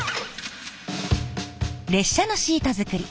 列車のシート作り